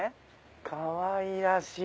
かわいらしい！